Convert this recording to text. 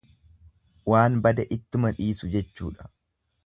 Waan bade ittuma dhiisu jechuudha.